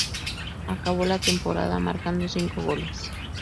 Acabó la temporada marcando cinco goles.